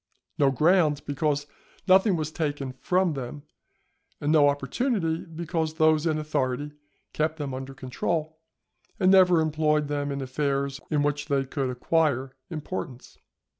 No ground, because nothing was taken from them; and no opportunity, because those in authority kept them under control, and never employed them in affairs in which they could acquire importance.